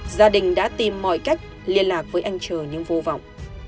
gia đình đã tìm mọi cách liên lạc với anh trờ nhưng vô vọng